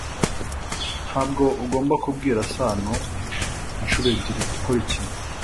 Ntabwo ugomba kubwira Sano inshuro ebyiri gukora ikintu